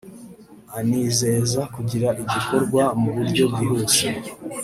anizeza kugira igikorwa mu buryo bwihuse